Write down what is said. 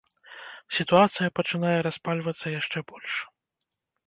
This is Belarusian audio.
Сітуацыя пачынае распальвацца яшчэ больш.